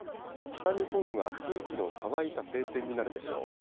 北日本は空気の乾いた晴天になるでしょう。